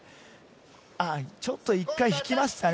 あちょっと、一回引きましたね。